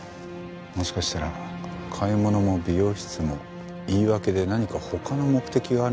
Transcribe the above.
もしかしたら買い物も美容室も言い訳で何か他の目的があるんじゃないかな？